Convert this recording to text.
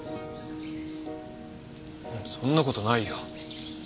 そんな事ないよ。